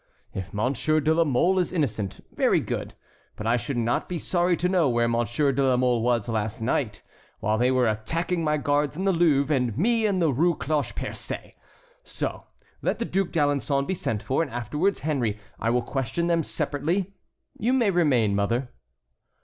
If Monsieur de la Mole is innocent, very good; but I should not be sorry to know where Monsieur de la Mole was last night, while they were attacking my guards in the Louvre, and me in the Rue Cloche Percée. So let the Duc d'Alençon be sent for, and afterwards Henry. I will question them separately. You may remain, mother."